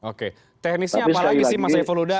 oke teknisnya apa lagi sih mas saiful huda